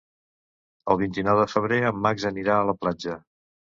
El vint-i-nou de febrer en Max anirà a la platja.